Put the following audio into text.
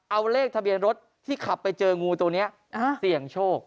เอาเลขทะเบียนรถที่ขับไปเจองูตัวนี้เสี่ยงโชค